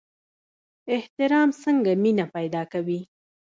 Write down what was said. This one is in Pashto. احترام څنګه مینه پیدا کوي؟